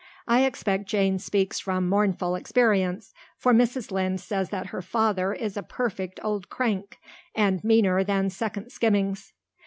I expect Jane speaks from mournful experience, for Mrs. Lynde says that her father is a perfect old crank, and meaner than second skimmings.